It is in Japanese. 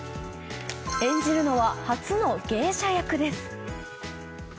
演じるのは初の芸者役です。